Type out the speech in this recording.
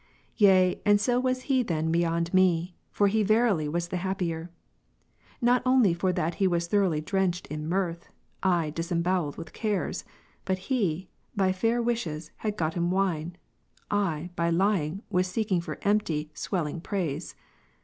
Yea, and so was he then beyond me.: for he verily was the happier ; not only for that he was throughly drenched in mirth, I disembowelled with cares : but he, by fair wishes, had gotten wine; I, by lying was seeking for empty, swelling praise.